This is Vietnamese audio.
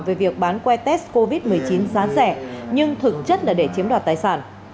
về việc bán que test covid một mươi chín giá rẻ nhưng thực chất là để chiếm đoạt tài sản